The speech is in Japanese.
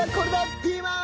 ピーマン！